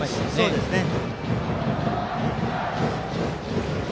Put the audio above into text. そうですね。